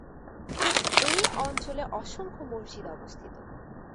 এই অঞ্চলে অসংখ্য মসজিদ অবস্থিত।